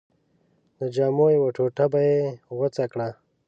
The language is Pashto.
د جامو یوه ټوټه به یې غوڅه کړه.